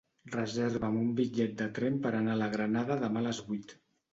Reserva'm un bitllet de tren per anar a la Granada demà a les vuit.